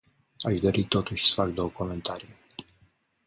Aș dori, totuși, să fac două comentarii.